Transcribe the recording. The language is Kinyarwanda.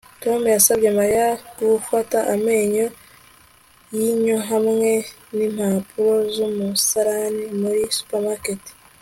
Tom yasabye Mariya gufata amenyo yinyo hamwe nimpapuro zumusarani muri supermarket